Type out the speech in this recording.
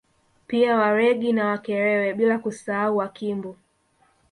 Pia Waregi na Wakerewe bila kusahau Wakimbu